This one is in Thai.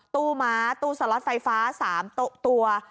ม้าตู้สล็อตไฟฟ้า๓ตัว